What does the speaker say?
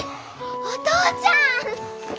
お父ちゃん！